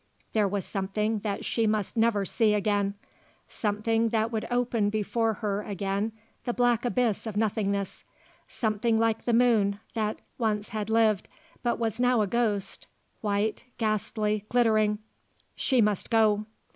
There was something that she must never see again; something that would open before her again the black abyss of nothingness; something like the moon, that once had lived, but was now a ghost, white, ghastly, glittering. She must go.